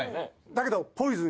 だけど。